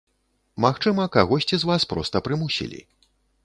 Магчыма, кагосьці з вас проста прымусілі.